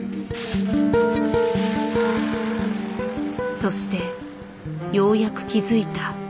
そしてようやく気づいた。